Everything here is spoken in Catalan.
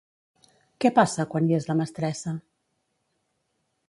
Què passa quan hi és la mestressa?